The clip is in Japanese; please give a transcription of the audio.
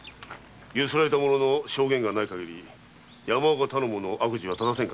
強請られた者の証言がない限り山岡頼母の悪事は糺せぬ。